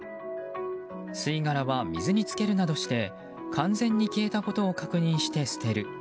吸い殻は水につけるなどして完全に消えたことを確認して捨てる。